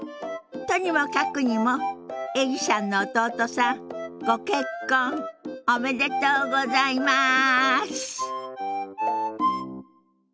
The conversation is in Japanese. とにもかくにもエリさんの弟さんご結婚おめでとうございます！